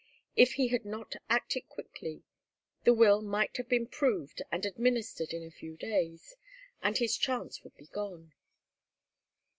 If he had not acted quickly, the will might have been proved and administered in a few days, and his chance would be gone.